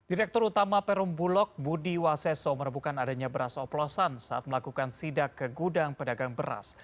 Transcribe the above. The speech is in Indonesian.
direktur utama perum bulog budi waseso merebukan adanya beras oplosan saat melakukan sidak ke gudang pedagang beras